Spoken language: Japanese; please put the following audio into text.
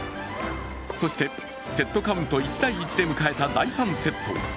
そしてセットカウント１−１で迎えた第３セット。